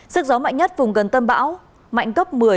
sức gió mạnh nhất vùng gần tâm bão mạnh cấp một mươi